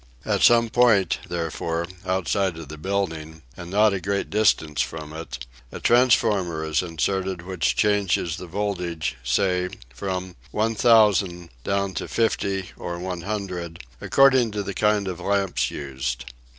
At some point, therefore, outside of the building, and not a great distance from it, a transformer is inserted which changes the voltage, say, from 1000 down to 50 or 100, according to the kind of lamps used.